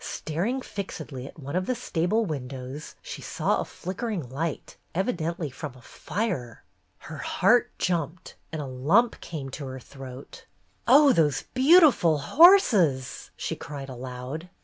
Staring fixedly at one of the stable windows, she saw a flickering light, evidently from a fire. Her heart jumped, and a lump came to her throat. ''Oh, those beautiful horses!'' she cried aloud.